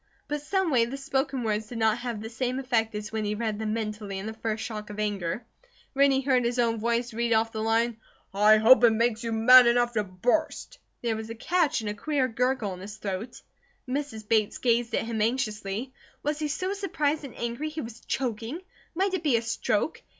But someway the spoken words did not have the same effect as when he read them mentally in the first shock of anger. When he heard his own voice read off the line, "I hope it makes you mad enough to burst," there was a catch and a queer gurgle in his throat. Mrs. Bates gazed at him anxiously. Was he so surprised and angry he was choking? Might it be a stroke?